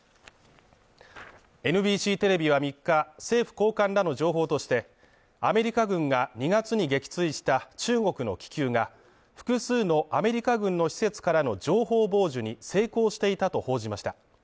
ＮＢＣテレビは３日、政府高官らの情報として、アメリカ軍が２月に撃墜した中国の気球が、複数のアメリカ軍の施設からの情報傍受に成功していたと報じました。